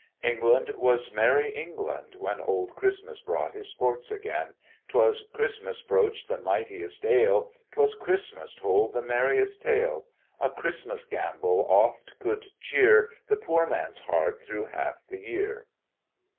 England was merry England, when Old Christmas brought his sports again. 'Twas Christmas broached the mightiest ale; 'Twas Christmas told the merriest tale; A Christmas gambol oft could cheer The poor man's heart through half the year.